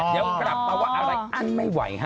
เดี๋ยวกลับมาว่าอะไรอั้นไม่ไหวฮะ